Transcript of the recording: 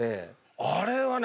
あれはね